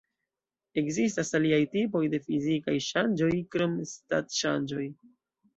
Ekzistas aliaj tipoj de fizikaj ŝanĝoj krom stat-ŝanĝoj.